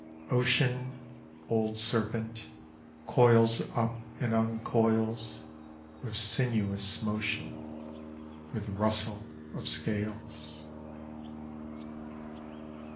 Ocean, old serpent, Coils up and uncoils; With sinuous motion, With rustle of scales.